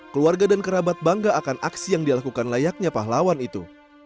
keluarga dan kerabat bangga akan aksi yang dilakukan layaknya pahlawan itu